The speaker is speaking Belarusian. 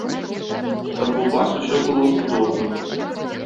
Каб у вас усё было цудоўна.